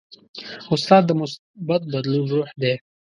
استاد د مثبت بدلون روح دی.